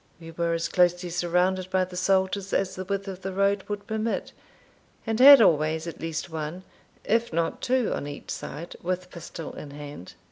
We were as closely surrounded by the soldiers as the width of the road would permit, and had always at least one, if not two, on each side, with pistol in hand.